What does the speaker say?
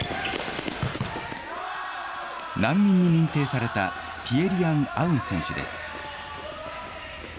難民に認定された、ピエ・リアン・アウン選手です。